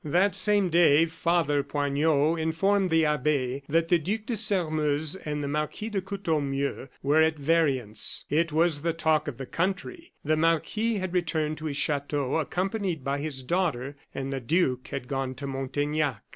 That same day Father Poignot informed the abbe that the Duc de Sairmeuse and the Marquis de Courtornieu were at variance. It was the talk of the country. The marquis had returned to his chateau, accompanied by his daughter, and the duke had gone to Montaignac.